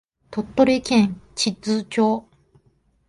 鳥取県智頭町